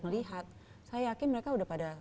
melihat saya yakin mereka udah pada